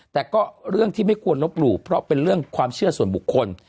แต่ก็เรื่องที่ไม่ควรลบหลู่เพราะเป็นเรื่องความเชื่อส่วนบุคคล